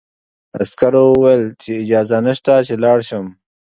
عسکر وویل چې اجازه نشته چې لاړ شم.